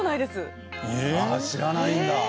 ああ知らないんだ。